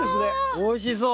おいしそう！